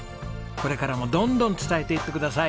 これからもどんどん伝えていってください。